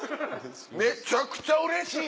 めちゃくちゃうれしい。